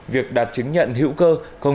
việc đạt chứng nhận hữu cơ